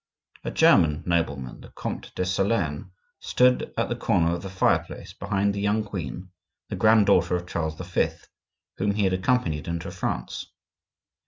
A German nobleman, the Comte de Solern, stood at the corner of the fireplace behind the young queen, the granddaughter of Charles V., whom he had accompanied into France.